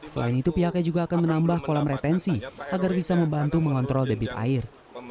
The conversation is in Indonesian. selain itu pihaknya juga akan menambah kolam retensi agar bisa membantu mengontrol debit air